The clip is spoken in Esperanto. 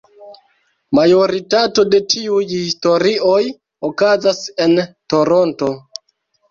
Majoritato de tiuj historioj okazas en Toronto.